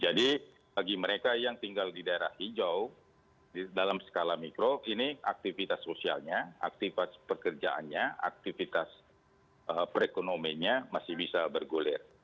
bagi mereka yang tinggal di daerah hijau di dalam skala mikro ini aktivitas sosialnya aktivitas pekerjaannya aktivitas perekonomiannya masih bisa bergulir